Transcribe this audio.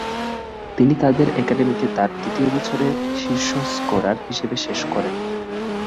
তিনি তাদের একাডেমিতে তার দ্বিতীয় বছরে শীর্ষ স্কোরার হিসেবে শেষ করেন।